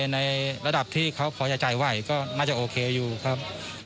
ในระดับที่เขาพอจะจ่ายไหวก็น่าจะโอเคอยู่ครับ